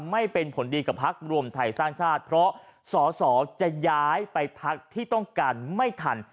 ไม่เป็นผลดีกับพักรวมไทยสร้างชาติเพราะสอสอจะย้ายไปพักที่ต้องการไม่ทัน